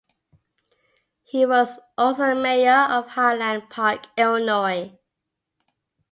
He was also mayor of Highland Park, Illinois.